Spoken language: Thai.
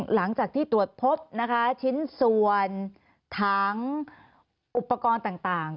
หลังจากที่ตรวจพบนะคะชิ้นส่วนถังอุปกรณ์ต่าง